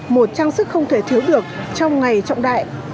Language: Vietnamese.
một trang sức không thể thiếu được trong ngày trọng đại